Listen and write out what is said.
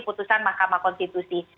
putusan mahkamah konstitusi